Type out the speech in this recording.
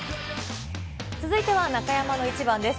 続いては中山のイチバンです。